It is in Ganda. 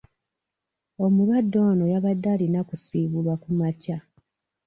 Omulwadde ono yabadde alina kusiibulwa kumakya.